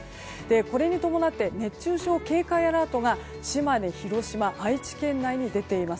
これに伴って熱中症警戒アラートが島根、広島、愛知県内に出ています。